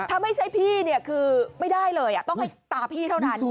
ถ้าไม่ใช่พี่เนี่ยคือไม่ได้เลยต้องให้ตาพี่เท่านั้น